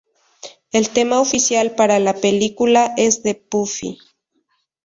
El tema oficial para la película es de Puffy.